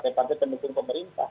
terpaksa tembusin pemerintah